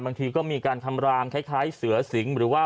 บางทีก็มีการทำรามคล้ายเสือสิงหรือว่า